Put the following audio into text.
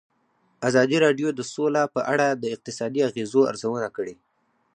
ازادي راډیو د سوله په اړه د اقتصادي اغېزو ارزونه کړې.